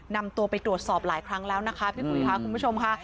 นำตัวไปตรวจสอบหลายครั้งแล้วนะคะพี่อุ๋ยค่ะคุณผู้ชมค่ะ